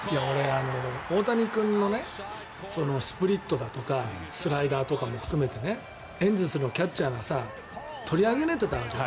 大谷君のスプリットだとかスライダーとかも含めてエンゼルスのキャッチャーが取りあぐねていたわけ。